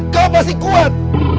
kamu masih kuat